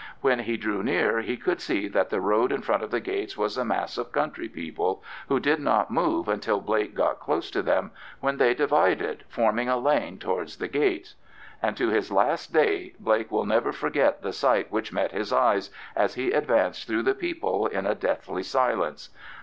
When he drew near he could see that the road in front of the gates was a mass of country people, who did not move until Blake got close to them, when they divided, forming a lane towards the gates. And to his last day Blake will never forget the sight which met his eyes as he advanced through the people in a deathly silence.